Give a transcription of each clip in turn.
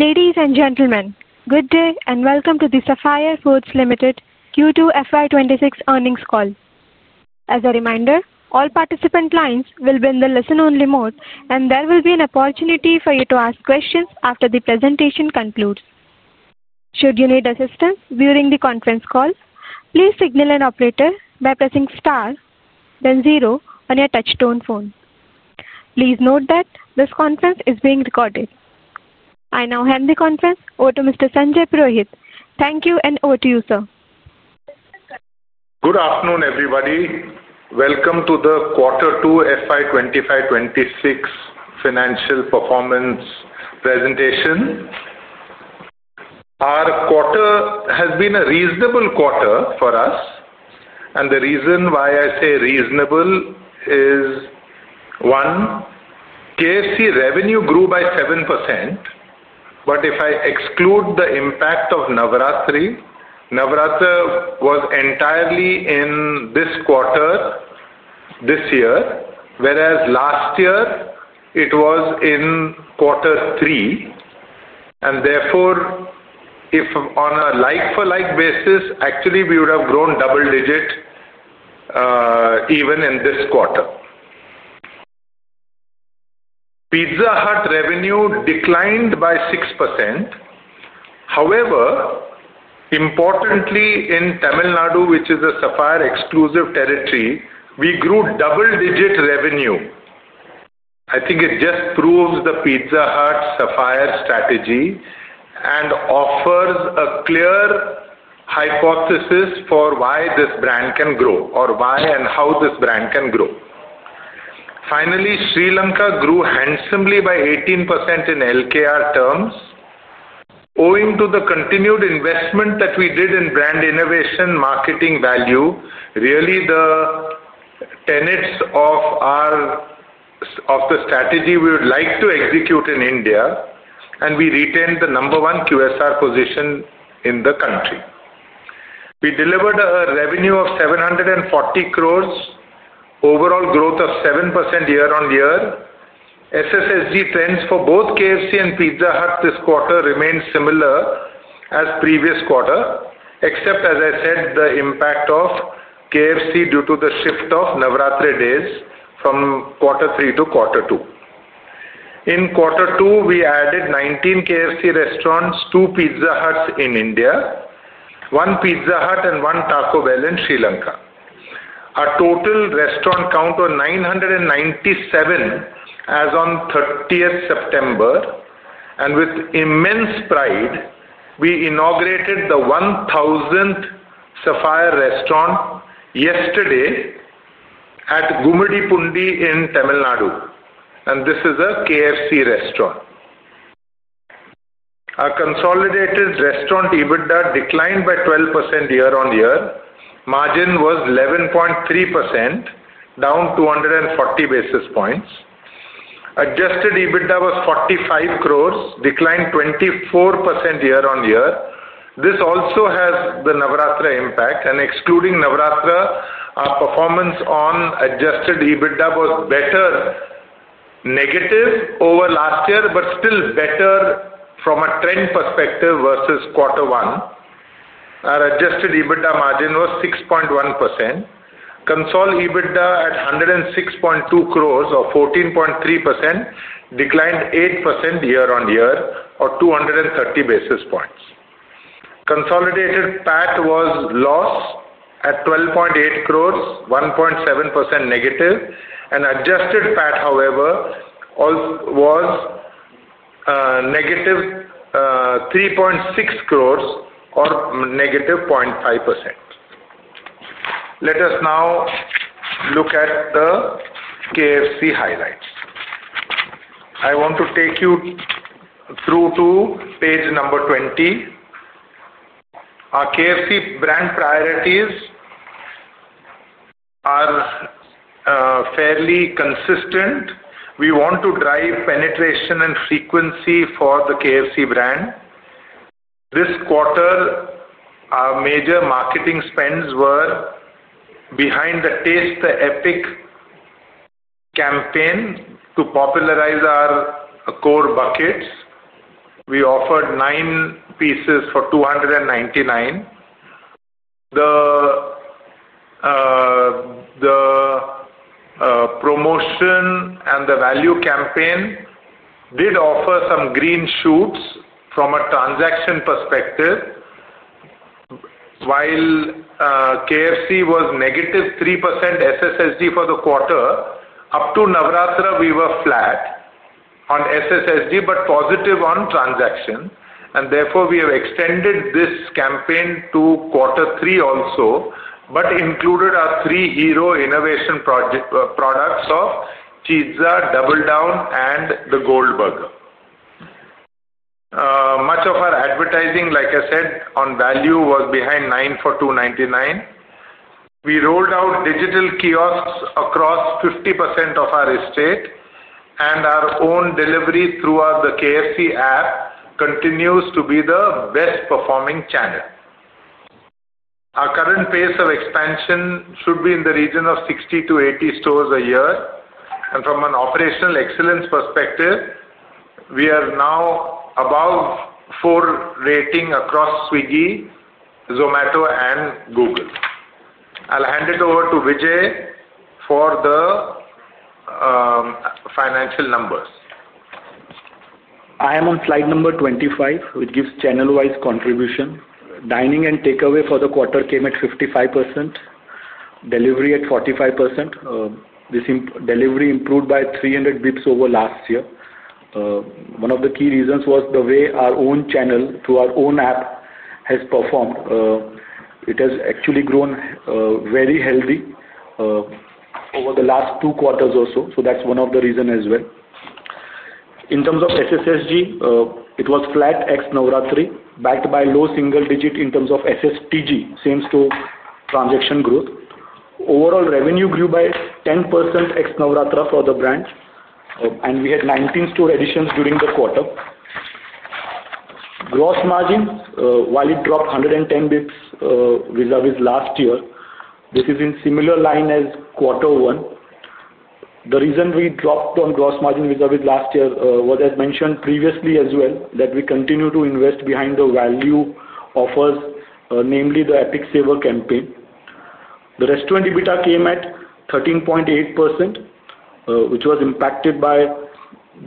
Ladies and gentlemen, good day and welcome to the Sapphire Foods India Ltd Q2 FY26 earnings call. As a reminder, all participant lines will be in the listen-only mode, and there will be an opportunity for you to ask questions after the presentation concludes. Should you need assistance during the conference call, please signal an operator by pressing star, then zero on your touch-tone phone. Please note that this conference is being recorded. I now hand the conference over to Mr. Sanjay Purohit. Thank you and over to you, sir. Good afternoon, everybody. Welcome to the Quarter Two FY26 financial performance presentation. Our quarter has been a reasonable quarter for us, and the reason why I say reasonable is, one, KFC revenue grew by 7%. If I exclude the impact of Navratri, Navratri was entirely in this quarter this year, whereas last year it was in Quarter Three. Therefore, if on a like-for-like basis, actually we would have grown double-digit even in this quarter. Pizza Hut revenue declined by 6%. However, importantly, in Tamil Nadu, which is a Sapphire-exclusive territory, we grew double-digit revenue. I think it just proves the Pizza Hut-Sapphire strategy and offers a clear hypothesis for why this brand can grow or why and how this brand can grow. Finally, Sri Lanka grew handsomely by 18% in LKR terms, owing to the continued investment that we did in brand innovation, marketing value, really the tenets of the strategy we would like to execute in India. We retained the number one QSR position in the country. We delivered a revenue of ₹740 crores, overall growth of 7% year on year. SSSG trends for both KFC and Pizza Hut this quarter remain similar as previous quarter, except, as I said, the impact of KFC due to the shift of Navratri days from Quarter Three to Quarter Two. In Quarter Two, we added 19 KFC restaurants, two Pizza Huts in India, one Pizza Hut and one Taco Bell in Sri Lanka. Our total restaurant count was 997 as on 30th September. With immense pride, we inaugurated the 1,000th Sapphire restaurant yesterday at Gumadipundi in Tamil Nadu. This is a KFC restaurant. Our consolidated restaurant EBITDA declined by 12% year on year. Margin was 11.3%, down 240 basis points. Adjusted EBITDA was ₹45 crores, declined 24% year on year. This also has the Navratri impact. Excluding Navratri, our performance on adjusted EBITDA was better, negative over last year, but still better from a trend perspective versus Quarter One. Our adjusted EBITDA margin was 6.1%. Console EBITDA at ₹106.2 crores or 14.3% declined 8% year on year or 230 basis points. Consolidated PAT was loss at ₹12.8 crores, 1.7% negative. Adjusted PAT, however, was negative ₹3.6 crores or negative 0.5%. Let us now look at the KFC highlights. I want to take you through to page number 20. Our KFC brand priorities are fairly consistent. We want to drive penetration and frequency for the KFC brand. This quarter, our major marketing spends were behind the taste, the Epic Saver campaign to popularize our core buckets. We offered nine pieces for ₹299. The promotion and the value campaign did offer some green shoots from a transaction perspective. While KFC was negative 3% SSSG for the quarter, up to Navratri, we were flat on SSSG but positive on transactions. Therefore, we have extended this campaign to Quarter Three also, but included our three hero innovation products of pizza, Double Down, and the Gold Burger. Much of our advertising, like I said, on value was behind nine for ₹299. We rolled out digital kiosks across 50% of our estate, and our own delivery through the KFC app continues to be the best-performing channel. Our current pace of expansion should be in the region of 60 to 80 stores a year. From an operational excellence perspective, we are now above four rating across Swiggy, Zomato, and Google. I'll hand it over to Vijay for the financial numbers. I am on slide number 25, which gives channel-wise contribution. Dine-in and takeaway for the quarter came at 55%, delivery at 45%. This delivery improved by 300 bps over last year. One of the key reasons was the way our own channel through our own app has performed. It has actually grown very healthy over the last two quarters also. That's one of the reasons as well. In terms of SSSG, it was flat ex-Navratri, backed by low single digit in terms of SSTG, same-store transaction growth. Overall revenue grew by 10% ex-Navratri for the brand. We had 19 store additions during the quarter. Gross margin, while it dropped 110 bps vis-à-vis last year, is in a similar line as Quarter One. The reason we dropped on gross margin vis-à-vis last year was, as mentioned previously as well, that we continue to invest behind the value offers, namely the Epic Saver campaign. The restaurant EBITDA came at 13.8%, which was impacted by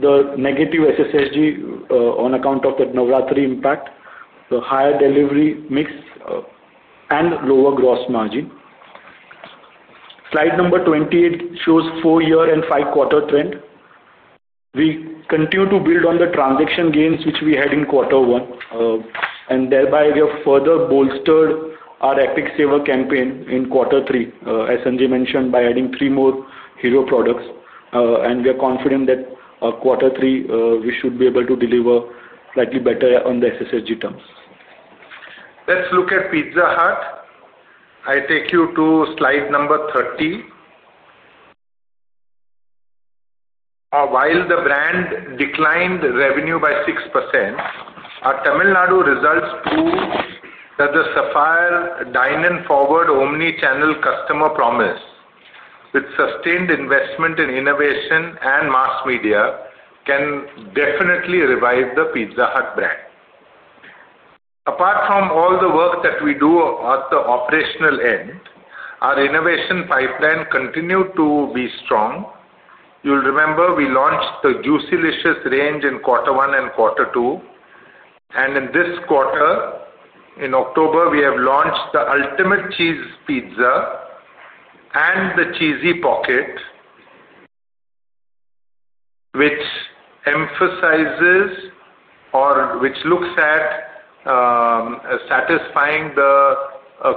the negative SSSG on account of the Navratri impact, the higher delivery mix, and lower gross margin. Slide number 28 shows four-year and five-quarter trend. We continue to build on the transaction gains, which we had in Quarter One. We have further bolstered our Epic Saver campaign in Quarter Three, as Sanjay Purohit mentioned, by adding three more hero products. We are confident that Quarter Three, we should be able to deliver slightly better on the SSSG terms. Let's look at Pizza Hut. I take you to slide number 30. While the brand declined revenue by 6%, our Tamil Nadu results prove that the Sapphire dine-in forward omnichannel customer promise, with sustained investment in innovation and mass media, can definitely revive the Pizza Hut brand. Apart from all the work that we do at the operational end, our innovation pipeline continued to be strong. You'll remember we launched the Juicy Delicious range in Quarter One and Quarter Two. In this quarter, in October, we have launched the Ultimate Cheese Pizza and the Cheesy Pocket, which emphasizes or which looks at satisfying the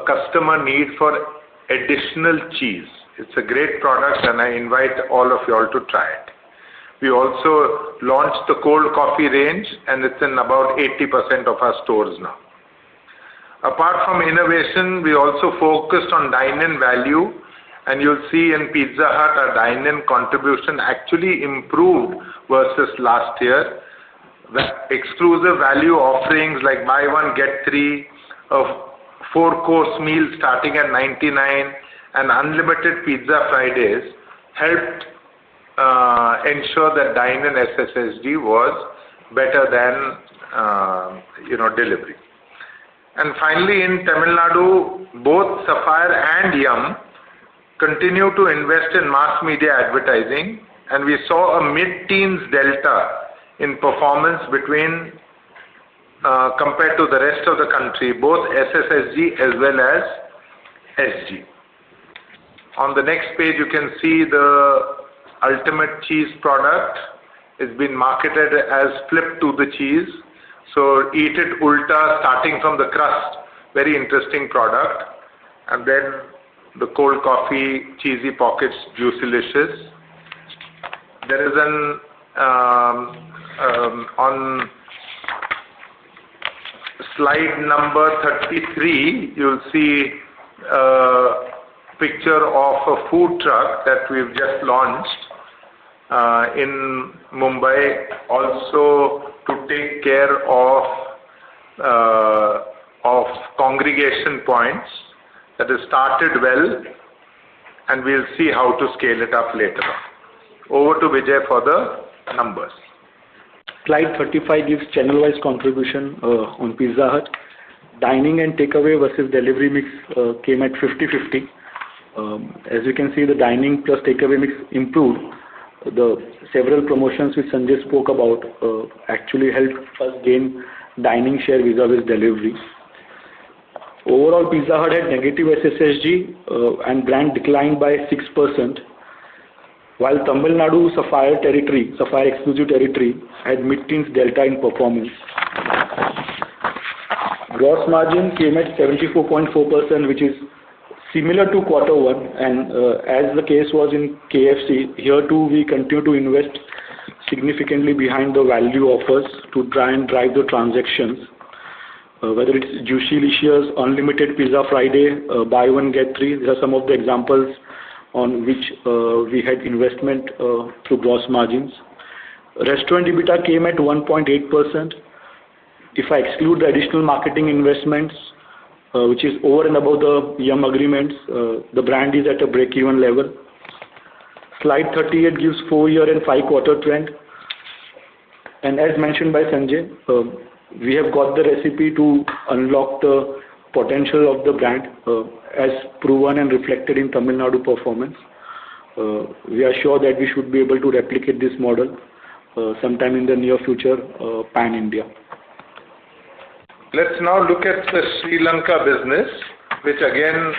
customer need for additional cheese. It's a great product, and I invite all of you all to try it. We also launched the cold coffee range, and it's in about 80% of our stores now. Apart from innovation, we also focused on dine-in value. You'll see in Pizza Hut, our dine-in contribution actually improved versus last year. Exclusive value offerings like buy one, get three, four-course meals starting at 99, and unlimited pizza Fridays helped ensure that dine-in SSSG was better than delivery. Finally, in Tamil Nadu, both Sapphire and Yum! continue to invest in mass media advertising. We saw a mid-teens delta in performance compared to the rest of the country, both SSSG as well as SG. On the next page, you can see the Ultimate Cheese product has been marketed as Flip to the Cheese. Eat it ultra, starting from the crust. Very interesting product. The cold coffee, Cheesy Pockets, Juicy Delicious. On slide number 33, you'll see a picture of a food truck that we've just launched in Mumbai, also to take care of congregation points that has started well. We'll see how to scale it up later on. Over to Vijay for the numbers. Slide 35 gives channel-wise contribution on Pizza Hut. Dine-in and takeaway versus delivery mix came at 50/50. As you can see, the dine-in plus takeaway mix improved. The several promotions which Sanjay spoke about actually helped us gain dine-in share vis-à-vis delivery. Overall, Pizza Hut had negative SSSG and brand declined by 6%. While Tamil Nadu Sapphire territory, Sapphire-exclusive territory, had mid-teens delta in performance. Gross margin came at 74.4%, which is similar to Quarter One. As the case was in KFC, here too, we continue to invest significantly behind the value offers to try and drive the transactions, whether it's Juicy Delicious, unlimited pizza Friday, buy one, get three. There are some of the examples on which we had investment through gross margins. Restaurant EBITDA came at 1.8%. If I exclude the additional marketing investments, which is over and above the Yum! agreements, the brand is at a break-even level. Slide 38 gives four-year and five-quarter trend. As mentioned by Sanjay, we have got the recipe to unlock the potential of the brand as proven and reflected in Tamil Nadu performance. We are sure that we should be able to replicate this model sometime in the near future, pan-India. Let's now look at the Sri Lanka business, which again,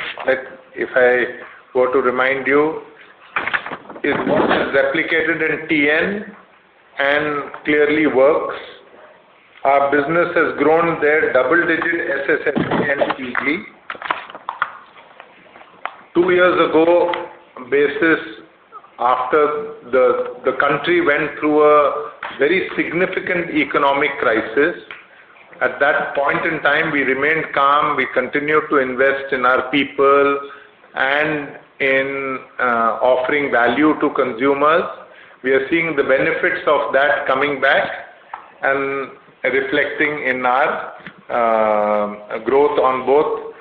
if I were to remind you, is what is replicated in Tamil Nadu and clearly works. Our business has grown there double-digit same-store sales growth and easily. Two years ago, after the country went through a very significant economic crisis, at that point in time, we remained calm. We continued to invest in our people and in offering value to consumers. We are seeing the benefits of that coming back and reflecting in our growth on both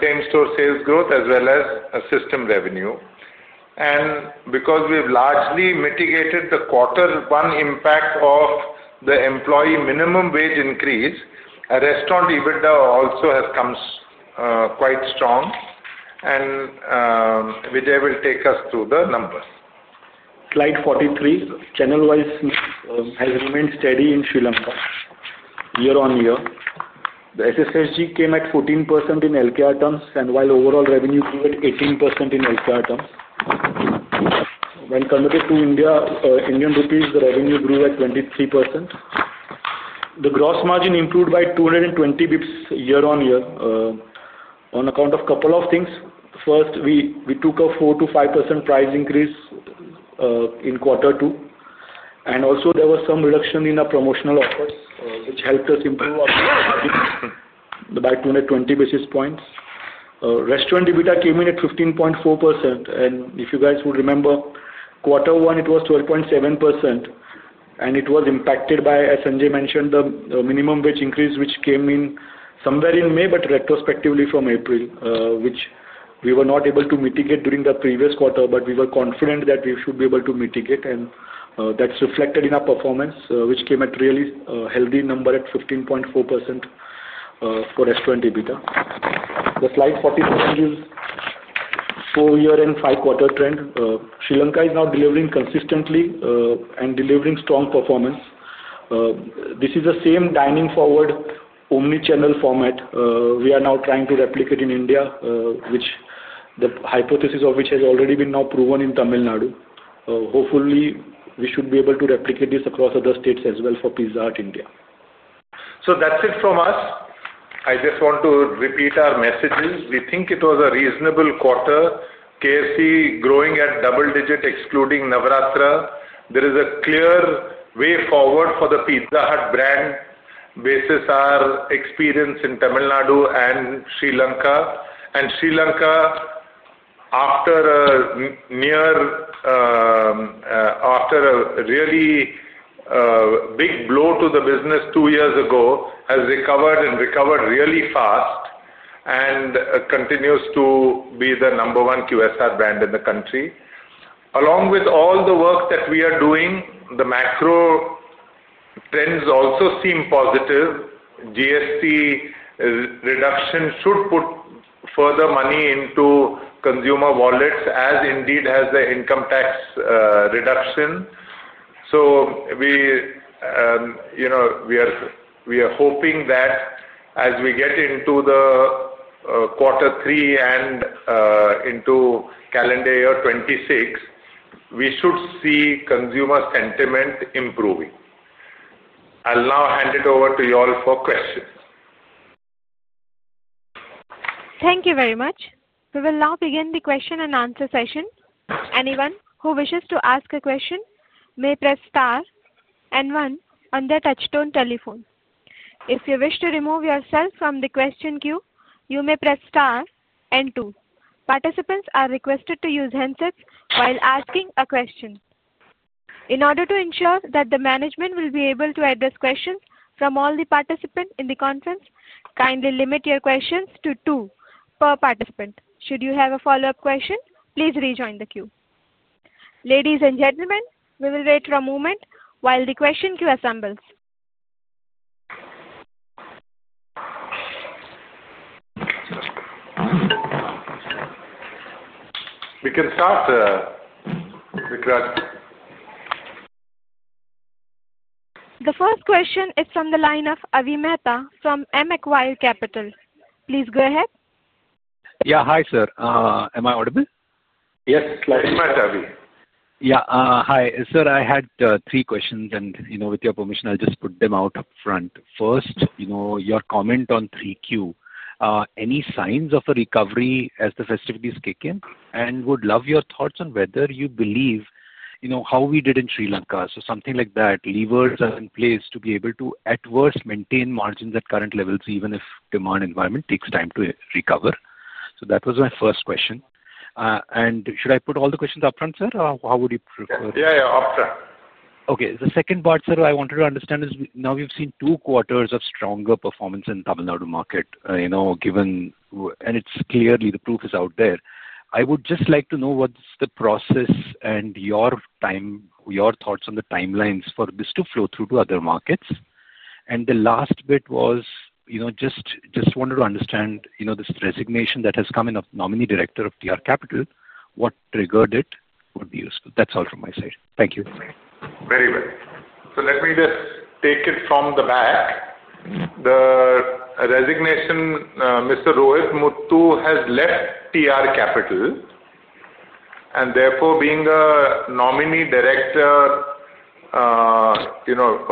same-store sales growth as well as system revenue. Because we've largely mitigated the Quarter One impact of the employee minimum wage increase, our restaurant EBITDA also has come quite strong. Vijay will take us through the numbers. Slide 43, channel-wise has remained steady in Sri Lanka year on year. The SSG came at 14% in LKR terms. While overall revenue grew at 18% in LKR terms, when converted to Indian rupees, the revenue grew at 23%. The gross margin improved by 220 bps year on year on account of a couple of things. First, we took a 4% to 5% price increase in Quarter Two. There was some reduction in our promotional offers, which helped us improve our gross margin by 220 basis points. Restaurant EBITDA came in at 15.4%. If you guys would remember, Quarter One, it was 12.7%. It was impacted by, as Sanjay Purohit mentioned, the minimum wage increase, which came in somewhere in May, but retrospectively from April, which we were not able to mitigate during the previous quarter. We were confident that we should be able to mitigate. That's reflected in our performance, which came at a really healthy number at 15.4% for restaurant EBITDA. Slide 47 is four-year and five-quarter trend. Sri Lanka is now delivering consistently and delivering strong performance. This is the same dining forward omnichannel format we are now trying to replicate in India, which the hypothesis of which has already been now proven in Tamil Nadu. Hopefully, we should be able to replicate this across other states as well for Pizza Hut India. That's it from us. I just want to repeat our messages. We think it was a reasonable quarter. KFC growing at double digit, excluding Navratri, there is a clear way forward for the Pizza Hut brand versus our experience in Tamil Nadu and Sri Lanka. Sri Lanka, after a really big blow to the business two years ago, has recovered and recovered really fast and continues to be the number one QSR brand in the country. Along with all the work that we are doing, the macro trends also seem positive. GST reduction should put further money into consumer wallets, as indeed has the income tax reduction. We are hoping that as we get into Quarter Three and into calendar year 2026, we should see consumer sentiment improving. I'll now hand it over to you all for questions. Thank you very much. We will now begin the question and answer session. Anyone who wishes to ask a question may press star and one on their touch-tone telephone. If you wish to remove yourself from the question queue, you may press star and two. Participants are requested to use handsets while asking a question. In order to ensure that the management will be able to address questions from all the participants in the conference, kindly limit your questions to two per participant. Should you have a follow-up question, please rejoin the queue. Ladies and gentlemen, we will wait for a moment while the question queue assembles. We can start, Vikrant. The first question is from the line of Avimeta from M. Acquire Capital. Please go ahead. Yeah. Hi, sir. Am I audible? Yes, Avimeta, Avi. Yeah. Hi, sir. I had three questions. With your permission, I'll just put them out up front. First, your comment on 3Q. Any signs of a recovery as the festivities kick in? Would love your thoughts on whether you believe you know how we did in Sri Lanka. Levers are in place to be able to, at worst, maintain margins at current levels, even if the demand environment takes time to recover. That was my first question. Should I put all the questions up front, sir? How would you prefer? Yeah, up front. Okay. The second part, sir, I wanted to understand is now we've seen two quarters of stronger performance in the Tamil Nadu market. Given, and it's clearly the proof is out there, I would just like to know what's the process and your thoughts on the timelines for this to flow through to other markets. The last bit was, just wanted to understand, this resignation that has come in of the nominee director of TR Capital, what triggered it would be useful. That's all from my side. Thank you. Let me just take it from the back. The resignation, Mr. Rohit Muttu has left TR Capital. Therefore, being the nominee director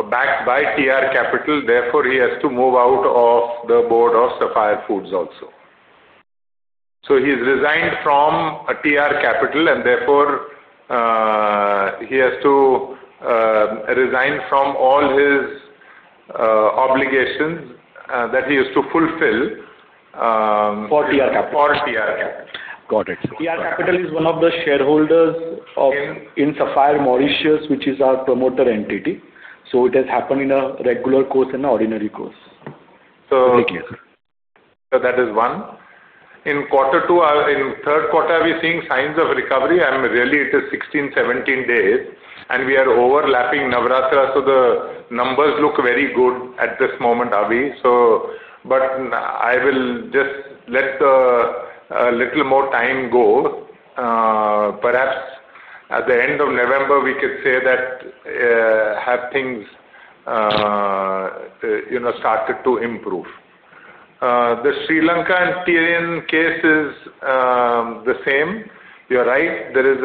backed by TR Capital, he has to move out of the board of Sapphire Foods also. He's resigned from TR Capital, and therefore, he has to resign from all his obligations that he used to fulfill. For TR Capital. For TR Capital. Got it. TR Capital is one of the shareholders in Sapphire Mauritius, which is our promoter entity. It has happened in a regular course and an ordinary course. That is one. In Quarter Two, in third quarter, are we seeing signs of recovery? I'm really, it is 16, 17 days, and we are overlapping Navratri. The numbers look very good at this moment, Avi. I will just let a little more time go. Perhaps at the end of November, we could say that things have started to improve. The Sri Lanka and Tier 1 case is the same. You're right. There is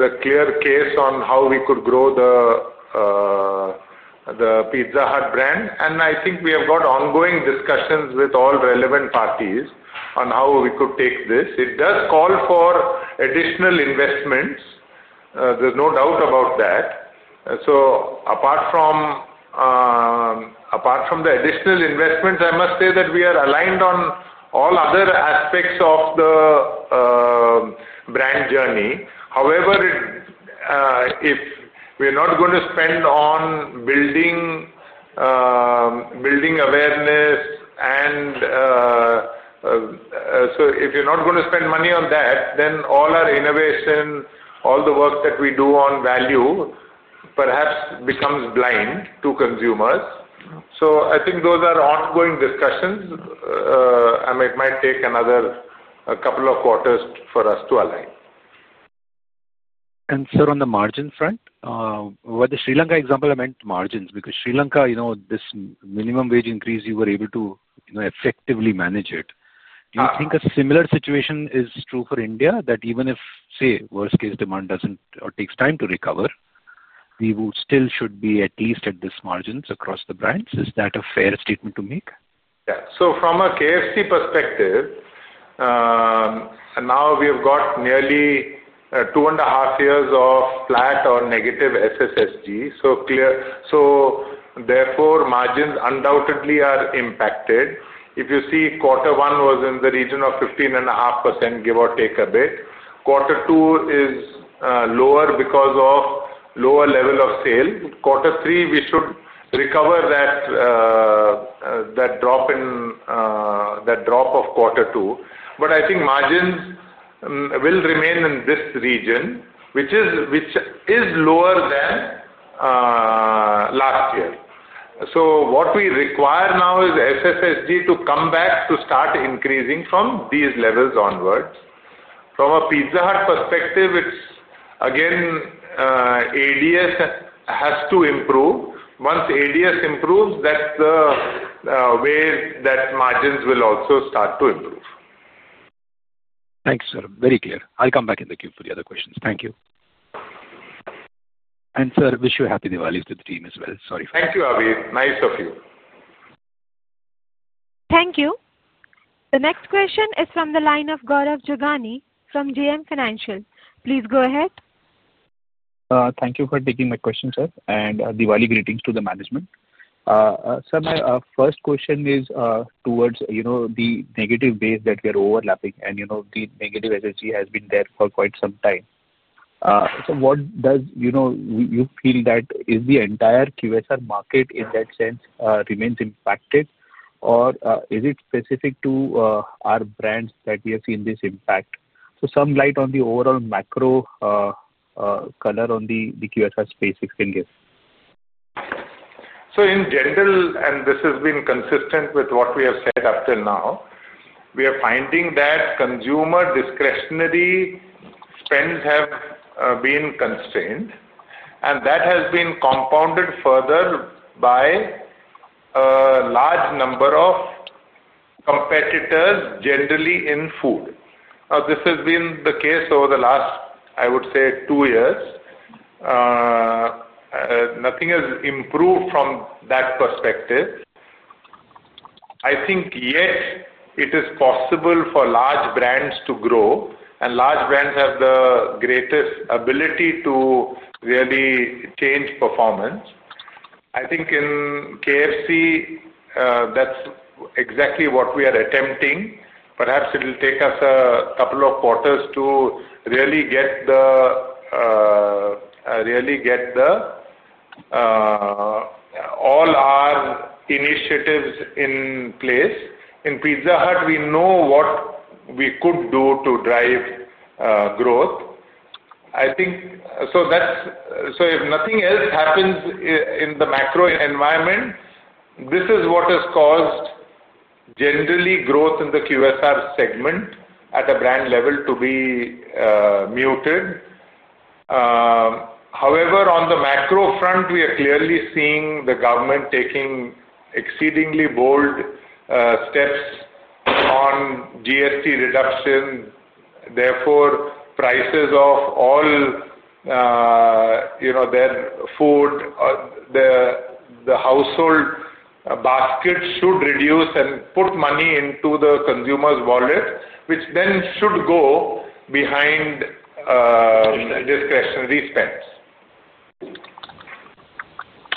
a clear case on how we could grow the Pizza Hut brand. I think we have got ongoing discussions with all relevant parties on how we could take this. It does call for additional investments. There's no doubt about that. Apart from the additional investments, I must say that we are aligned on all other aspects of the brand journey. However, if we're not going to spend on building awareness, if you're not going to spend money on that, then all our innovation, all the work that we do on value, perhaps becomes blind to consumers. I think those are ongoing discussions, and it might take another couple of quarters for us to align. On the margin front, with the Sri Lanka example, I meant margins. Because Sri Lanka, you know, this minimum wage increase, you were able to effectively manage it. Do you think a similar situation is true for India? That even if, say, worst case demand doesn't or takes time to recover, we would still should be at least at these margins across the brands. Is that a fair statement to make? Yeah. From a KFC perspective, now we have got nearly two and a half years of flat or negative SSG. Therefore, margins undoubtedly are impacted. If you see Quarter One, it was in the region of 15.5%, give or take a bit. Quarter Two is lower because of lower level of sale. Quarter Three, we should recover that drop of Quarter Two. I think margins will remain in this region, which is lower than last year. What we require now is SSG to come back to start increasing from these levels onwards. From a Pizza Hut perspective, it's again, ADS has to improve. Once ADS improves, that's the way that margins will also start to improve. Thank you, sir. Very clear. I'll come back in the queue for the other questions. Thank you. Sir, I wish you a happy New Valley to the team as well. Sorry for that. Thank you, Avi. Nice of you. Thank you. The next question is from the line of Gaurav Jagani from JM Financial. Please go ahead. Thank you for taking my question, sir. Diwali greetings to the management. Sir, my first question is towards the negative days that we are overlapping. The negative SSG has been there for quite some time. What does you feel, is the entire QSR market in that sense remains impacted? Is it specific to our brands that we have seen this impact? Please shed some light on the overall macro color on the QSR space, if you can give. In general, and this has been consistent with what we have said up till now, we are finding that consumer discretionary spends have been constrained. That has been compounded further by a large number of competitors, generally in food. This has been the case over the last, I would say, two years. Nothing has improved from that perspective. Yet it is possible for large brands to grow. Large brands have the greatest ability to really change performance. In KFC, that's exactly what we are attempting. Perhaps it will take us a couple of quarters to really get all our initiatives in place. In Pizza Hut, we know what we could do to drive growth. If nothing else happens in the macro environment, this is what has caused generally growth in the QSR segment at a brand level to be muted. However, on the macro front, we are clearly seeing the government taking exceedingly bold steps on GST reduction. Therefore, prices of all their food, the household baskets should reduce and put money into the consumer's wallet, which then should go behind discretionary spends.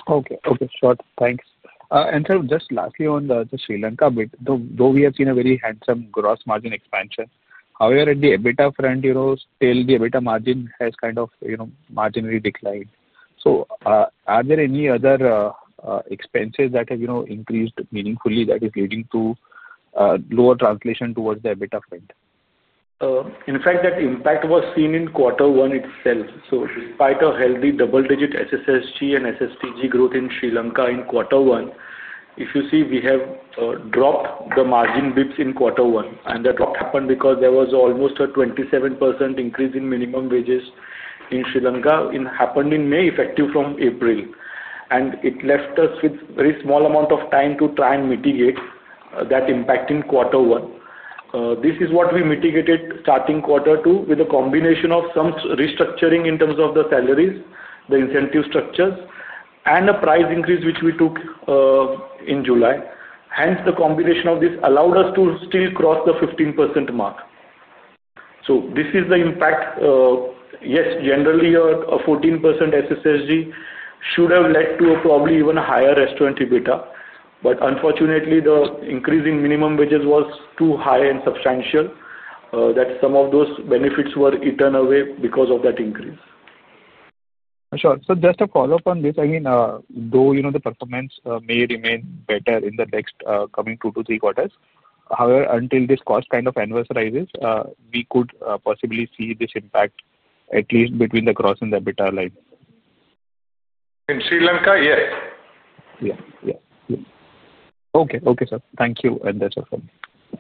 Okay. Sure. Thanks. Sir, just lastly on the Sri Lanka bit, though we have seen a very handsome gross margin expansion, at the EBITDA front, the EBITDA margin has kind of marginally declined. Are there any other expenses that have increased meaningfully that is leading to lower translation towards the EBITDA front? In fact, that impact was seen in Quarter One itself. Despite a healthy double-digit SSG and SSTG growth in Sri Lanka in Quarter One, if you see, we have dropped the margin bps in Quarter One. That happened because there was almost a 27% increase in minimum wages in Sri Lanka. It happened in May, effective from April. It left us with a very small amount of time to try and mitigate that impact in Quarter One. This is what we mitigated starting Quarter Two with a combination of some restructuring in terms of the salaries, the incentive structures, and a price increase, which we took in July. The combination of this allowed us to still cross the 15% mark. This is the impact. Yes, generally, a 14% SSG should have led to a probably even higher restaurant EBITDA. Unfortunately, the increase in minimum wages was too high and substantial that some of those benefits were eaten away because of that increase. Sure. Just to follow up on this, I mean, though you know the performance may remain better in the next coming two to three quarters, however, until this cost kind of adverse rises, we could possibly see this impact at least between the gross and the EBITDA line. In Sri Lanka, yes. Okay, sir. Thank you. That's all from me.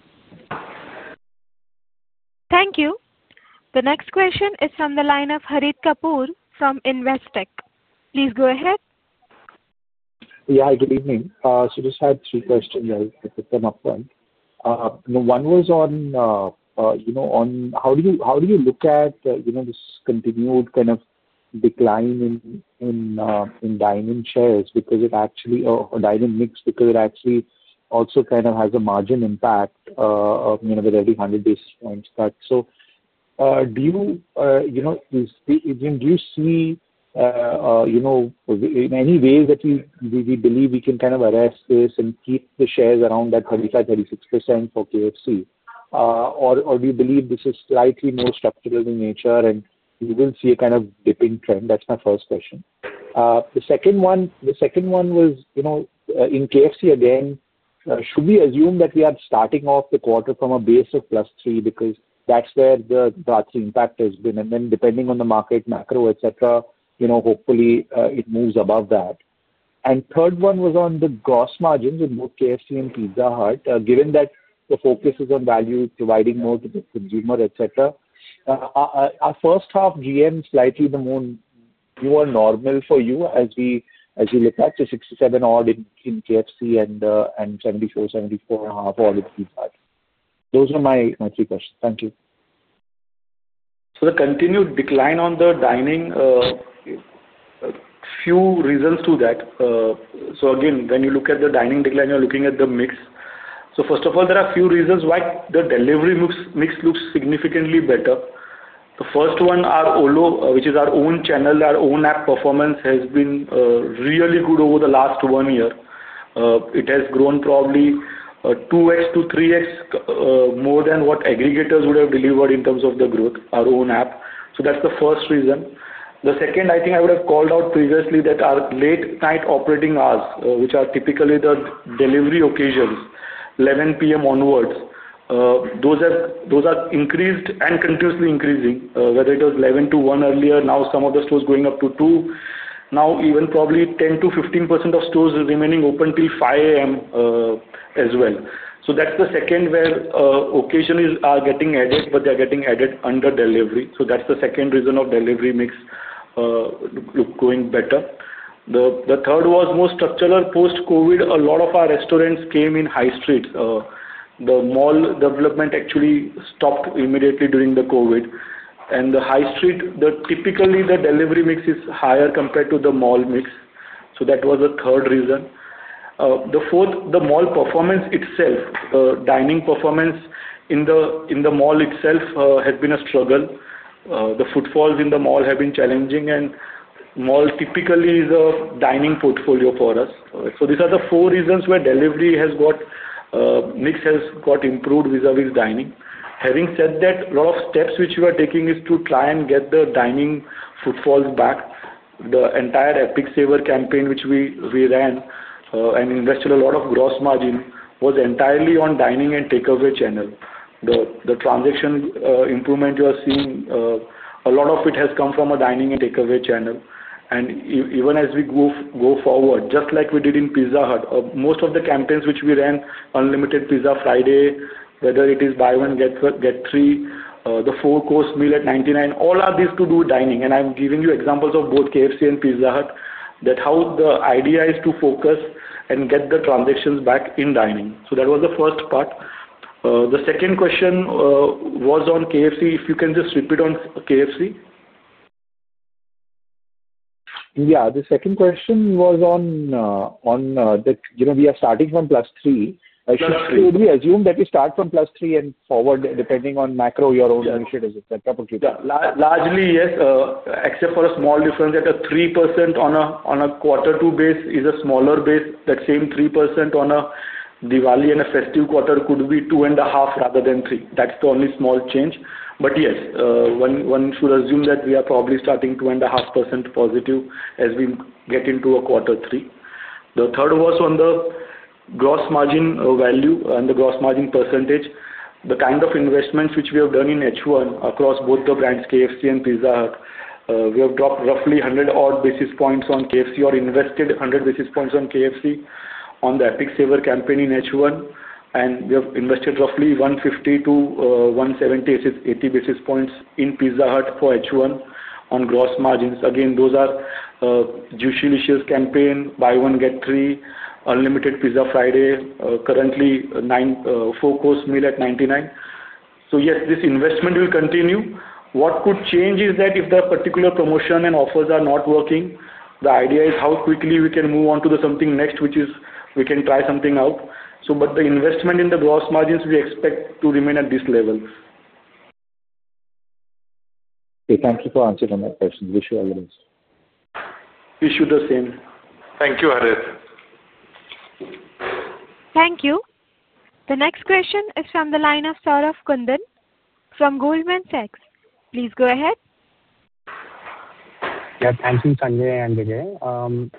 Thank you. The next question is from the line of Harit Kapoor from Investech. Please go ahead. Good evening. I just had three questions. I'll put them up front. One was on how do you look at this continued kind of decline in dine-in shares because it actually, or dine-in mix, because it actually also kind of has a margin impact with every 100 basis points cut. Do you see in any way that we believe we can kind of address this and keep the shares around that 35, 36% for KFC? Or do you believe this is slightly more structural in nature and we will see a kind of dipping trend? That's my first question. The second one was, in KFC again, should we assume that we are starting off the quarter from a base of plus 3 because that's where the impact has been? Depending on the market macro, etc., hopefully, it moves above that. The third one was on the gross margins in both KFC and Pizza Hut, given that the focus is on value, providing more to the consumer, etc. Our first half GM, slightly the more normal for you as we look at to 67 odd in KFC and 74, 74.5 odd in Pizza Hut. Those are my three questions. Thank you. The continued decline on the dining, a few reasons to that. When you look at the dining decline, you're looking at the mix. First of all, there are a few reasons why the delivery mix looks significantly better. The first one is our OLO, which is our own channel. Our own app performance has been really good over the last one year. It has grown probably 2X to 3X more than what aggregators would have delivered in terms of the growth, our own app. That's the first reason. The second, I think I would have called out previously that our late-night operating hours, which are typically the delivery occasions, 11:00 P.M. onwards, those are increased and continuously increasing. Whether it was 11:00 to 1:00 earlier, now some of the stores going up to 2:00. Now even probably 10% to 15% of stores remaining open till 5:00 A.M. as well. That's the second where occasions are getting added, but they're getting added under delivery. That's the second reason of delivery mix look going better. The third was more structural post-COVID. A lot of our restaurants came in high streets. The mall development actually stopped immediately during the COVID. The high street, typically, the delivery mix is higher compared to the mall mix. That was the third reason. The fourth, the mall performance itself, the dining performance in the mall itself has been a struggle. The footfalls in the mall have been challenging. The mall typically is a dining portfolio for us. These are the four reasons where delivery mix has got improved vis-à-vis dining. Having said that, a lot of steps which we are taking is to try and get the dining footfalls back. The entire Epic Saver campaign, which we ran and invested a lot of gross margin, was entirely on dining and takeaway channel. The transaction improvement you are seeing, a lot of it has come from a dining and takeaway channel. Even as we go forward, just like we did in Pizza Hut, most of the campaigns which we ran, unlimited pizza Friday, whether it is buy one, get three, the four-course meal at 99, all of these to do with dining. I'm giving you examples of both KFC and Pizza Hut that how the idea is to focus and get the transactions back in dining. That was the first part. The second question was on KFC. If you can just repeat on KFC? Yeah. The second question was on that, you know, we are starting from plus 3. Should we assume that we start from plus 3 and forward depending on macro, your own initiatives? Is that appropriate? Yeah. Largely, yes, except for a small difference that a 3% on a Q2 base is a smaller base. That same 3% on a Diwali and a festive quarter could be 2.5% rather than 3%. That's the only small change. Yes, one should assume that we are probably starting 2.5% positive as we get into Q3. The third was on the gross margin value and the gross margin percentage. The kind of investments which we have done in H1 across both the brands, KFC and Pizza Hut, we have dropped roughly 100 basis points on KFC or invested 100 basis points on KFC on the Epic Saver campaign in H1. We have invested roughly 150 to 180 basis points in Pizza Hut for H1 on gross margins. Again, those are Juicy Delicious campaign, buy one, get three, unlimited pizza Friday, currently four-course meal at 99. Yes, this investment will continue. What could change is that if the particular promotion and offers are not working, the idea is how quickly we can move on to something next, which is we can try something out. The investment in the gross margins, we expect to remain at this level. Okay. Thank you for answering my questions. Wish you a good one. Wish you the same. Thank you, Harit. Thank you. The next question is from the line of Saurav Kunden from Goldman Sachs. Please go ahead. Thanks to Sanjay and Vijay.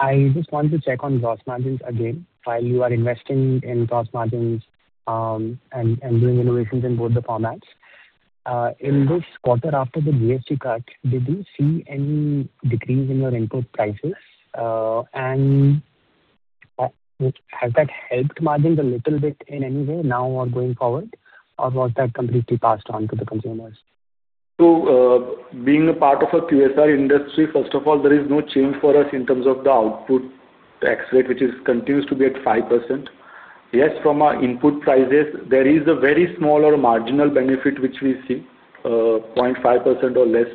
I just wanted to check on gross margins again. While you are investing in gross margins and doing innovations in both the formats, in this quarter after the GST cut, did you see any decrease in your input prices? Has that helped margins a little bit in any way now or going forward? Was that completely passed on to the consumers? Being a part of a QSR industry, first of all, there is no change for us in terms of the output tax rate, which continues to be at 5%. Yes, from our input prices, there is a very small marginal benefit, which we see, 0.5% or less.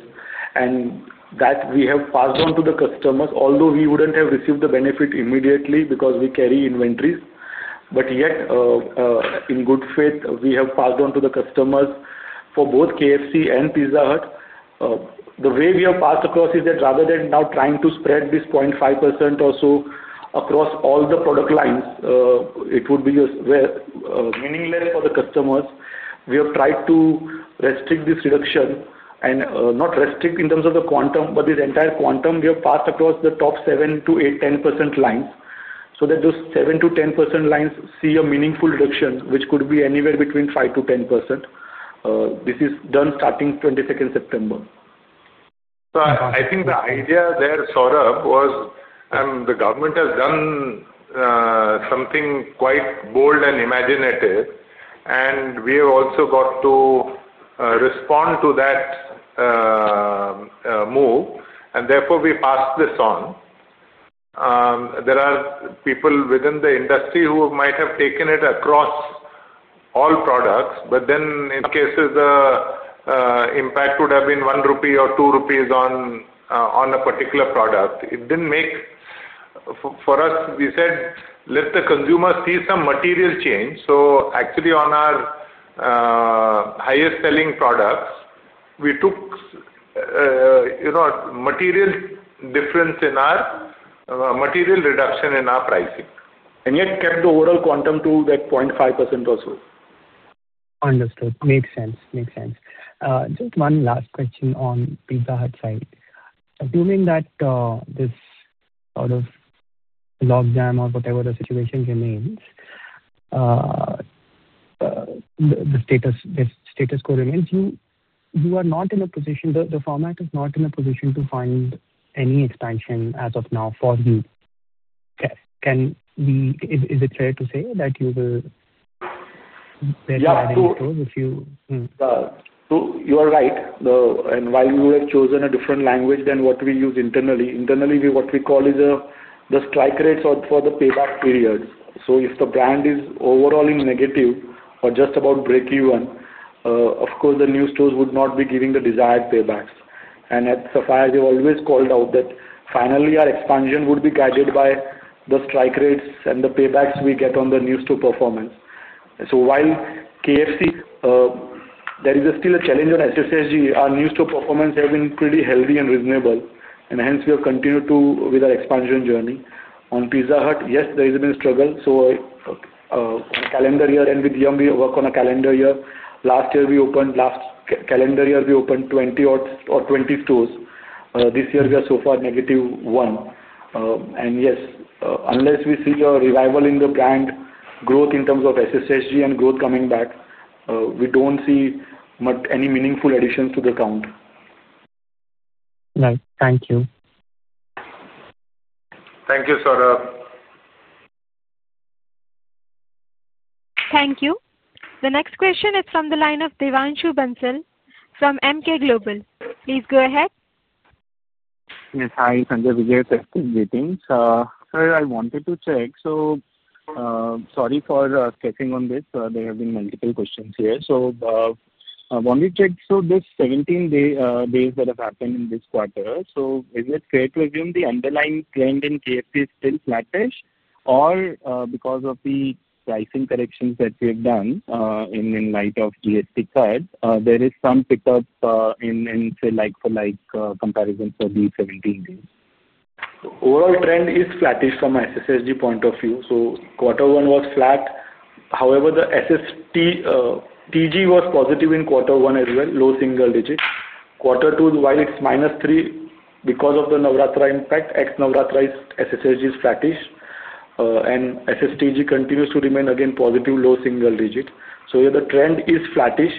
We have passed on to the customers, although we wouldn't have received the benefit immediately because we carry inventories. Yet, in good faith, we have passed on to the customers for both KFC and Pizza Hut. The way we have passed across is that rather than now trying to spread this 0.5% or so across all the product lines, it would be meaningless for the customers. We have tried to restrict this reduction, and not restrict in terms of the quantum, but this entire quantum, we have passed across the top 7 to 8, 10% lines so that those 7 to 10% lines see a meaningful reduction, which could be anywhere between 5% to 10%. This is done starting September 22. I think the idea there, Saurav, was the government has done something quite bold and imaginative. We have also got to respond to that move. Therefore, we passed this on. There are people within the industry who might have taken it across all products. In cases the impact would have been one rupee or two rupees on a particular product, it didn't make for us. We said, let the consumer see some material change. Actually, on our highest selling products, we took a material difference in our material reduction in our pricing. Yet kept the overall quantum to that 0.5% or so. Understood. Makes sense. Just one last question on Pizza Hut side. Assuming that this sort of lockdown or whatever the situation remains, the status quo remains, you are not in a position, the format is not in a position to fund any expansion as of now for you. Is it fair to say that you will bear that in stores if you? You are right. While we would have chosen a different language than what we use internally, internally, what we call is the strike rates for the payback periods. If the brand is overall in negative or just about break even, of course, the new stores would not be giving the desired paybacks. At Sapphire, they've always called out that finally, our expansion would be guided by the strike rates and the paybacks we get on the new store performance. While KFC, there is still a challenge on SSG, our new store performance has been pretty healthy and reasonable, and hence, we have continued with our expansion journey. On Pizza Hut, yes, there has been a struggle. On a calendar year, and with Yum, we work on a calendar year. Last year, we opened, last calendar year, we opened 20 or 20 stores. This year, we are so far negative one, and yes, unless we see a revival in the brand growth in terms of SSG and growth coming back, we don't see any meaningful additions to the count. Right. Thank you. Thank you, Saurav. Thank you. The next question, it's from the line of Devanshu Bansal from MK Global. Please go ahead. Yes. Hi, Sanjay. Vijay, greetings. Sir, I wanted to check. There have been multiple questions here. I wanted to check, these 17 days that have happened in this quarter, is it fair to assume the underlying trend in KFC is still flattish, or because of the pricing corrections that we have done in light of the GST cut, there is some pickup in, say, like-for-like comparison for these 17 days? Overall trend is flattish from an SSG point of view. Quarter One was flat. However, the SSTG was positive in Quarter One as well, low single digit. Quarter Two, while it's minus 3% because of the Navratra impact, ex-Navratra SSG is flattish. SSTG continues to remain again positive, low single digit. The trend is flattish.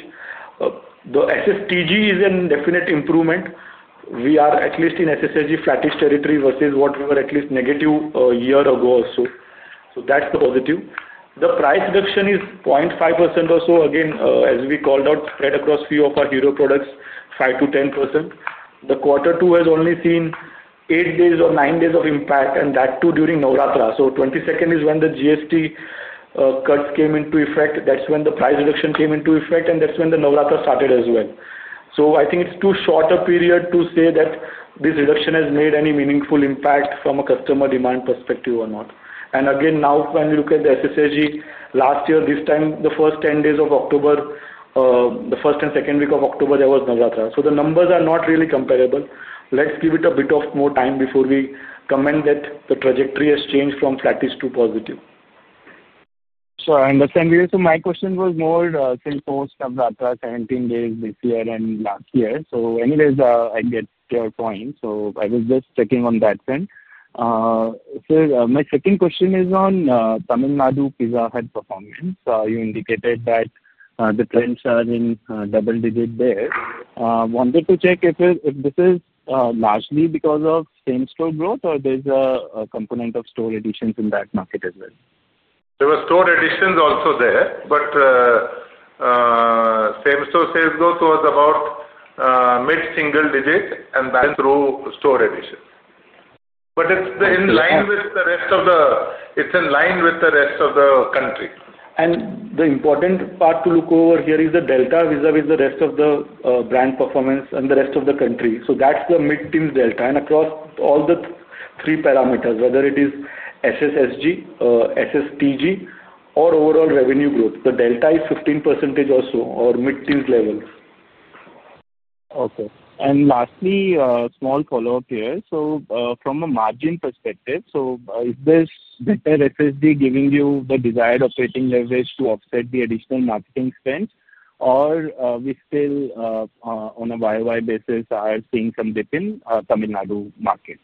The SSTG is in definite improvement. We are at least in SSG flattish territory versus what we were at least negative a year ago or so. That's the positive. The price reduction is 0.5% or so, as we called out, spread across a few of our hero products, 5% to 10%. Quarter Two has only seen eight days or nine days of impact, and that too during Navratra. The 22nd is when the GST cuts came into effect. That's when the price reduction came into effect, and that's when the Navratra started as well. I think it's too short a period to say that this reduction has made any meaningful impact from a customer demand perspective or not. Now, when you look at the SSG last year, this time, the first 10 days of October, the first and second week of October, there was Navratra. The numbers are not really comparable. Let's give it a bit of more time before we comment that the trajectory has changed from flattish to positive. I understand, Vijay. My question was more since post-Navratra 17 days this year and last year. I get your point. I was just checking on that then. Sir, my second question is on Tamil Nadu Pizza Hut performance. You indicated that the trends are in double digit there. I wanted to check if this is largely because of same-store growth or there's a component of store additions in that market as well. There were store additions also there. Same-store sales growth was about mid-single digit. That's through store additions. It's in line with the rest of the country. The important part to look over here is the delta vis-à-vis the rest of the brand performance and the rest of the country. That's the mid-teens delta. Across all the three parameters, whether it is SSG, SSTG, or overall revenue growth, the delta is 15% or so or mid-teens levels. Okay. Lastly, a small follow-up here. From a margin perspective, is this better same-store sales growth giving you the desired operating leverage to offset the additional marketing spend? Are we still, on a year-over-year basis, seeing some dip in the Tamil Nadu market?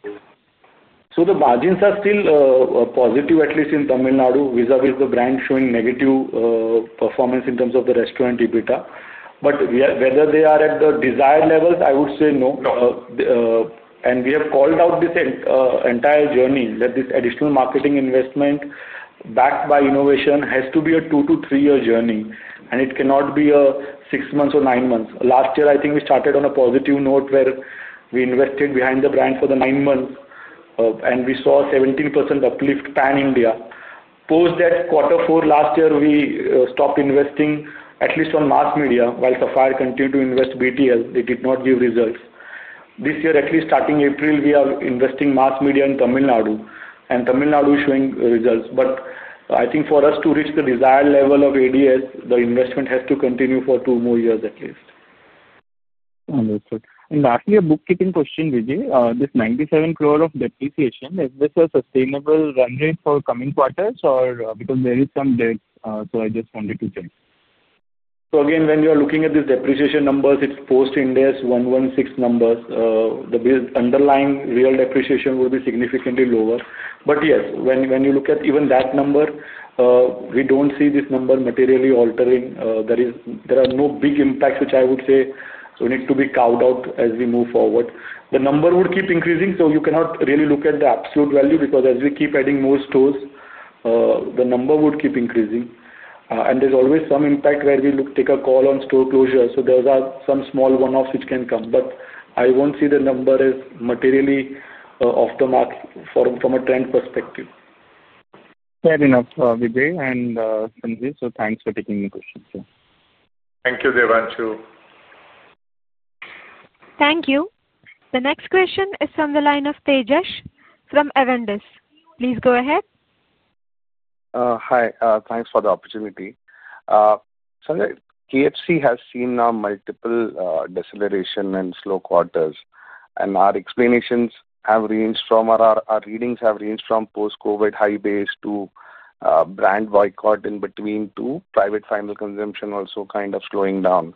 The margins are still positive, at least in Tamil Nadu, vis-à-vis the brand showing negative performance in terms of the restaurant EBITDA. Whether they are at the desired levels, I would say no. We have called out this entire journey that this additional marketing investment backed by innovation has to be a two to three-year journey. It cannot be six months or nine months. Last year, I think we started on a positive note where we invested behind the brand for the nine months, and we saw a 17% uplift pan-India. Post that, Quarter Four last year, we stopped investing at least on mass media. While Sapphire continued to invest BTL, they did not give results. This year, at least starting April, we are investing mass media in Tamil Nadu, and Tamil Nadu is showing results. I think for us to reach the desired level of ADS, the investment has to continue for two more years at least. Understood. Lastly, a bookkeeping question, Vijay. This 97% of depreciation, is this a sustainable run rate for coming quarters? Because there is some debt, I just wanted to check. When you are looking at these depreciation numbers, it's post-IND AS 116 numbers. The underlying real depreciation will be significantly lower. Yes, when you look at even that number, we don't see this number materially altering. There are no big impacts, which I would say need to be carved out as we move forward. The number would keep increasing. You cannot really look at the absolute value because as we keep adding more stores, the number would keep increasing. There's always some impact where we take a call on store closure. Those are some small one-offs which can come. I won't see the number as materially off the mark from a trend perspective. Fair enough, Vijay and Sanjay. Thanks for taking the questions, sir. Thank you, Devanshu. Thank you. The next question is from the line of Tejesh from Awendis. Please go ahead. Hi. Thanks for the opportunity. Sanjay, KFC has seen now multiple deceleration and slow quarters. Our explanations have ranged from our readings have ranged from post-COVID high base to brand boycott in between too. Private final consumption also kind of slowing down.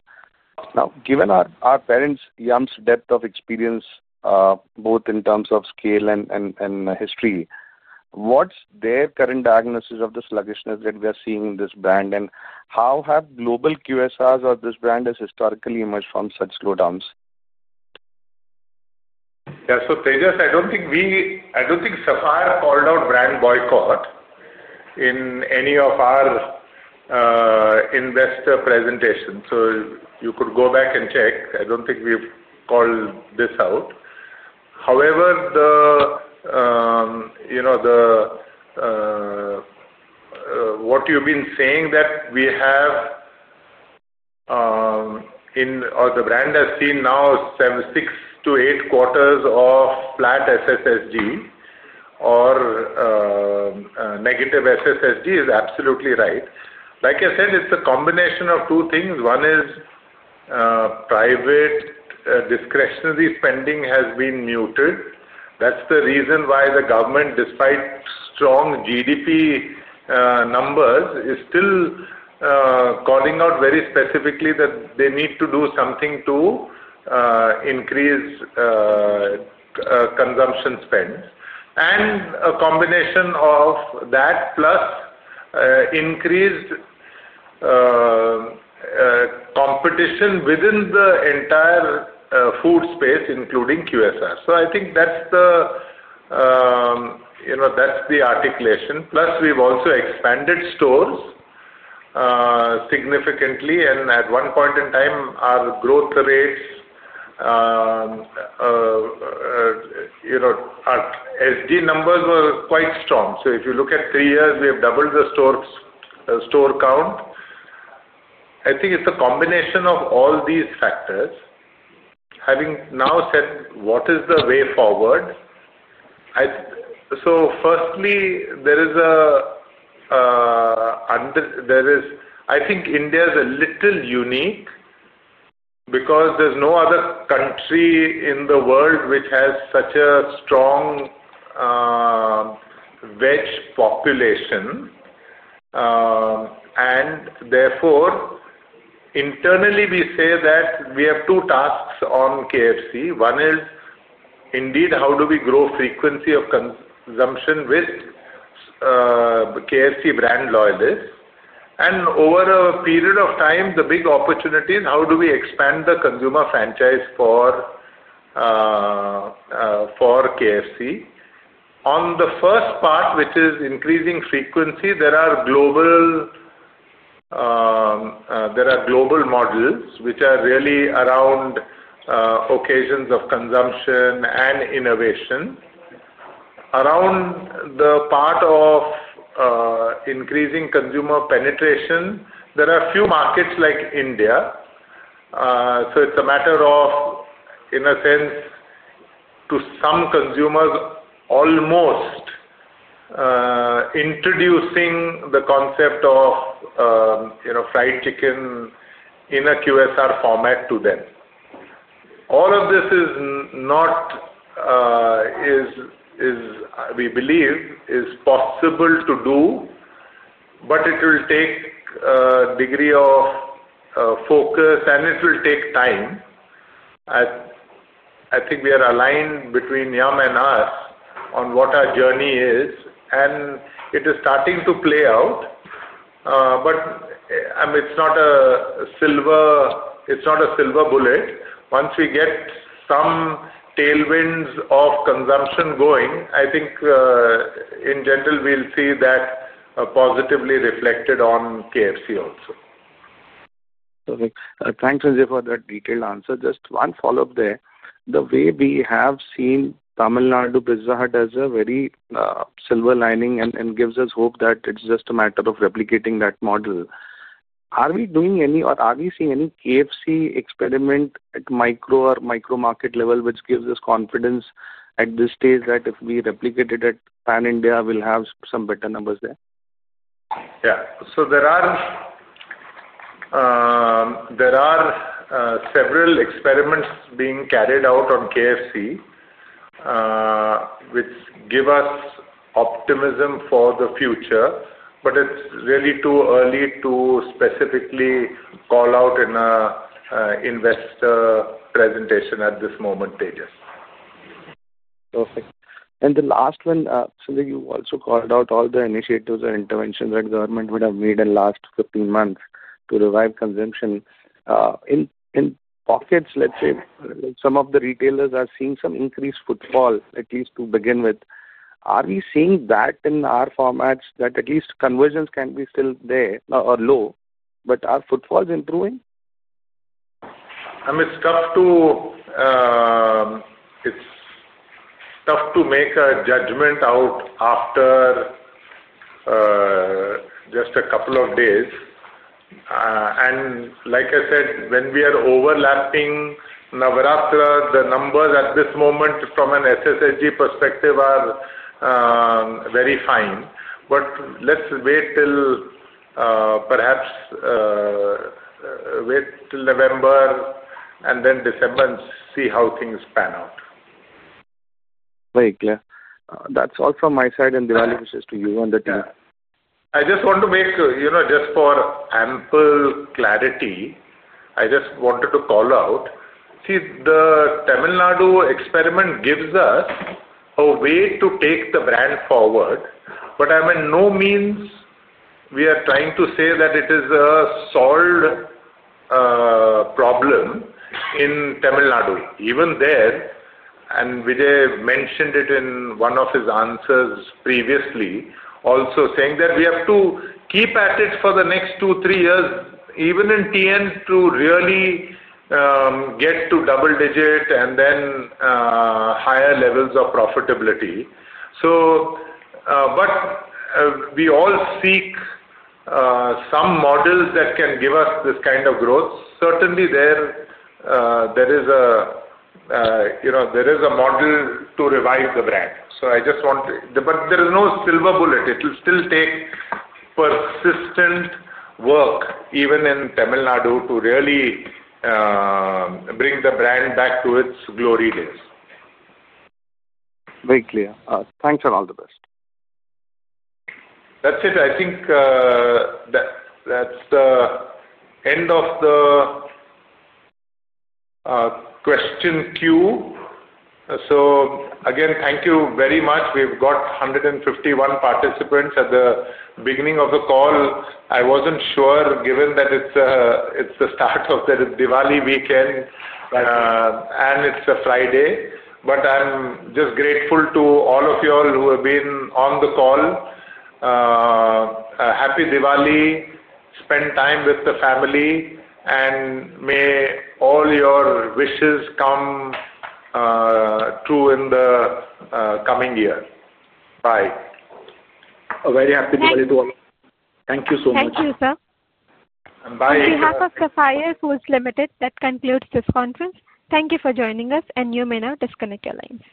Now, given our parent, Yum!'s depth of experience, both in terms of scale and history, what's their current diagnosis of the sluggishness that we are seeing in this brand? How have global QSRs or this brand has historically emerged from such slowdowns? Yeah. Tejesh, I don't think Sapphire called out brand boycott in any of our investor presentations. You could go back and check. I don't think we've called this out. However, what you've been saying that we have in or the brand has seen now six to eight quarters of flat SSG or negative SSG is absolutely right. Like I said, it's a combination of two things. One is private discretionary spending has been muted. That's the reason why the government, despite strong GDP numbers, is still calling out very specifically that they need to do something to increase consumption spend. A combination of that plus increased competition within the entire food space, including QSR. I think that's the articulation. Plus, we've also expanded stores significantly. At one point in time, our growth rates, our SSG numbers were quite strong. If you look at three years, we have doubled the store count. I think it's a combination of all these factors. Having now said what is the way forward, firstly, I think India is a little unique because there's no other country in the world which has such a strong wedge population. Therefore, internally, we say that we have two tasks on KFC. One is indeed how do we grow frequency of consumption with KFC brand loyalists. Over a period of time, the big opportunity is how do we expand the consumer franchise for KFC. On the first part, which is increasing frequency, there are global models which are really around occasions of consumption and innovation. Around the part of increasing consumer penetration, there are a few markets like India. It's a matter of, in a sense, to some consumers, almost introducing the concept of fried chicken in a QSR format to them. All of this is not, we believe, possible to do. It will take a degree of focus, and it will take time. I think we are aligned between Yum! and us on what our journey is. It is starting to play out, but it's not a silver bullet. Once we get some tailwinds of consumption going, I think in general, we'll see that positively reflected on KFC also. Perfect. Thanks, Sanjay, for that detailed answer. Just one follow-up there. The way we have seen Tamil Nadu Pizza Hut as a very silver lining and gives us hope that it's just a matter of replicating that model. Are we doing any or are we seeing any KFC experiment at micro or micro market level, which gives us confidence at this stage that if we replicate it at pan-India, we'll have some better numbers there? There are several experiments being carried out on KFC, which give us optimism for the future. It's really too early to specifically call out in an investor presentation at this moment, Tejesh. Perfect. The last one, Sanjay, you also called out all the initiatives or interventions that government would have made in the last 15 months to revive consumption. In pockets, let's say, some of the retailers are seeing some increased footfall, at least to begin with. Are we seeing that in our formats, that at least conversions can still be there or low, but our footfall is improving? I mean, it's tough to make a judgment after just a couple of days. Like I said, when we are overlapping Navratra, the numbers at this moment from an SSG perspective are very fine. Let's wait till perhaps November and then December and see how things pan out. Very clear. That's all from my side. Devani, wishes to you and the team. I just want to make, you know, just for ample clarity, I just wanted to call out. See, the Tamil Nadu experiment gives us a way to take the brand forward. I mean, by no means are we trying to say that it is a solved problem in Tamil Nadu. Even there, and Vijay mentioned it in one of his answers previously, also saying that we have to keep at it for the next two, three years, even in Tamil Nadu to really get to double digit and then higher levels of profitability. We all seek some models that can give us this kind of growth. Certainly, there is a model to revive the brand. I just want to, but there is no silver bullet. It will still take persistent work, even in Tamil Nadu, to really bring the brand back to its glory days. Very clear. Thanks and all the best. That's it. I think that's the end of the question queue. Again, thank you very much. We've got 151 participants at the beginning of the call. I wasn't sure, given that it's the start of the Diwali weekend and it's a Friday. I'm just grateful to all of you who have been on the call. Happy Diwali. Spend time with the family. May all your wishes come true in the coming year. Bye. A very happy Diwali to all of you. Thank you so much. Thank you, sir. And bye. Thank you, Sapphire Foods India Ltd. That concludes this conference. Thank you for joining us. You may now disconnect your line.